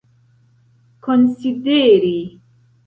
konsideri